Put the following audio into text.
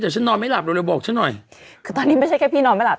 แต่ฉันนอนไม่หลับเร็วเลยบอกฉันหน่อยคือตอนนี้ไม่ใช่แค่พี่นอนไม่หลับ